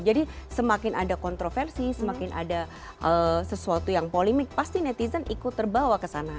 jadi semakin ada kontroversi semakin ada sesuatu yang polemik pasti netizen ikut terbawa ke sana